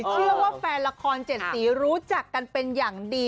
เชื่อว่าแฟนละคร๗สีรู้จักกันเป็นอย่างดี